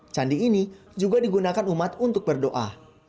candi ini juga digunakan umat untuk berdoa